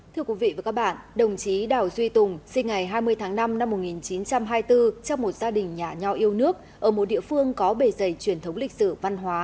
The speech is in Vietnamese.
thưa quý vị và các bạn đồng chí đảo duy tùng sinh ngày hai mươi tháng năm năm một nghìn chín trăm hai mươi bốn trong một gia đình nhả nho yêu nước ở một địa phương có bề dày truyền thống lịch sử văn hóa